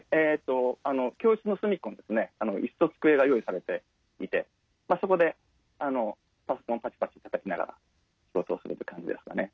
教室の隅っこに椅子と机が用意されていてそこでパソコンをパチパチたたきながら仕事をするという感じですかね。